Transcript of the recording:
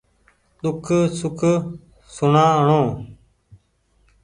ۮوک سوک سوڻآڻو